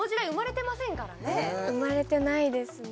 生まれてないですね。